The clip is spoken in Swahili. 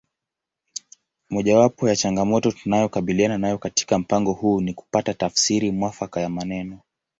Mojawapo ya changamoto tunayokabiliana nayo katika mpango huu ni kupata tafsiri mwafaka ya maneno